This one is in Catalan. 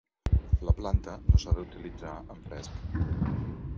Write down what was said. La planta no s'ha d'utilitzar en fresc.